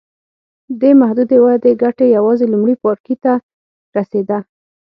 دې محدودې ودې ګټه یوازې لومړي پاړکي ته رسېده.